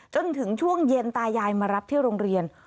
จนถึงช่วงเย็นตายายมารับที่โรงเรียน